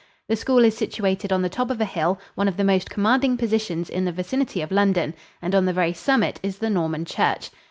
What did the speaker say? The school is situated on the top of a hill, one of the most commanding positions in the vicinity of London, and on the very summit is the Norman church.